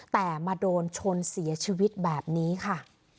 แต่มาโดนชนเสียชีวิตแบบนี้ค่ะ